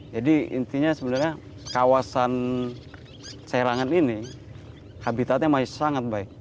jadi intinya sebenarnya kawasan serangan ini habitatnya masih sangat baik